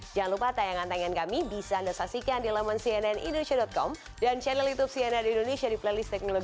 jangan lupa tayangan tayangan kami bisa anda saksikan di elemen cnnindonesia com